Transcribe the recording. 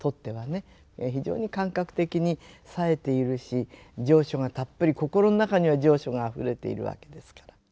非常に感覚的にさえているし情緒がたっぷり心の中には情緒があふれているわけですけど。